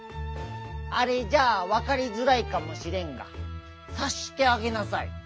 「あれ」じゃあわかりづらいかもしれんがさっしてあげなさい。